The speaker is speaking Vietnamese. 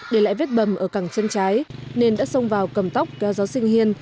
để lại vết bầm ở cẳng chân trái nên đã xông vào cầm tóc kéo giáo sinh hiên